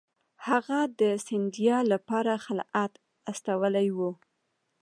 هغه د سیندیا لپاره خلعت استولی وو.